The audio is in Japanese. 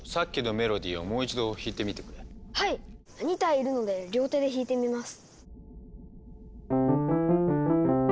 ２体いるので両手で弾いてみます。